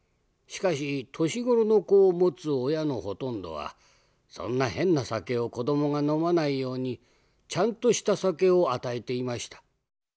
しかし年頃の子をもつ親のほとんどはそんな変な酒を子どもが飲まないようにちゃんとした酒を与えていました。